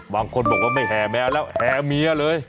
บางคนบอกว่าไม่แห่แมวแล้วแห่เมียเลย